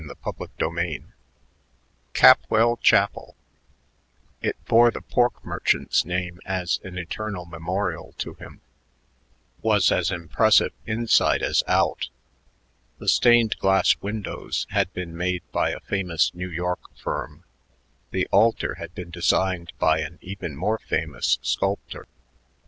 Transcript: CHAPTER V Capwell Chapel it bore the pork merchant's name as an eternal memorial to him was as impressive inside as out. The stained glass windows had been made by a famous New York firm; the altar had been designed by an even more famous sculptor.